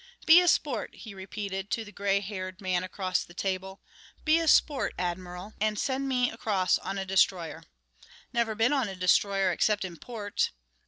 "Be a sport," he repeated to the gray haired man across the table. "Be a sport, Admiral, and send me across on a destroyer. Never been on a destroyer except in port.